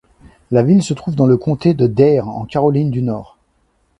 La ville se trouve dans le comté de Dare en Caroline du Nord.